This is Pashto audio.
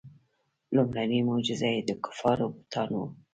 لومړنۍ معجزه یې د کفارو بتان وو.